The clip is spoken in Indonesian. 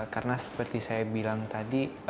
karena seperti saya bilang tadi